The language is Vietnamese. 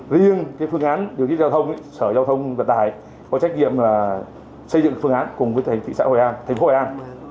riêng cái phương án điều trị giao thông sở giao thông vật tài có trách nhiệm là xây dựng phương án cùng với thành phố hội an